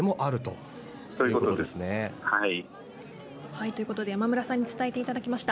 そういうことですね。ということで山村さんに伝えていただきました。